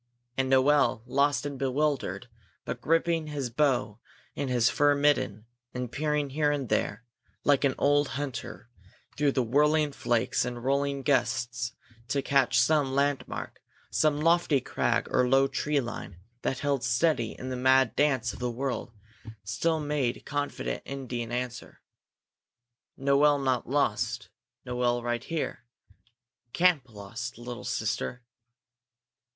And Noel, lost and bewildered, but gripping his bow in his fur mitten and peering here and there, like an old hunter, through the whirling flakes and rolling gusts to catch some landmark, some lofty crag or low tree line that held steady in the mad dance of the world, still made confident Indian answer: "Noel not lost; Noel right here. Camp lost, little sister."